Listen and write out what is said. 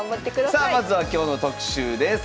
さあまずは今日の特集です。